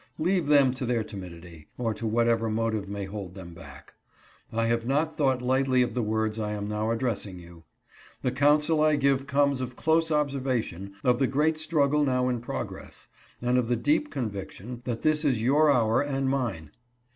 Leave them to their timidity, or to whatever motive may hold them back. I have not thought lightly of the words I am dow addressing you. The counsel I give comes of close observation of the great struggle now in pro gress, and of the deep conviction that this is your hour and mine.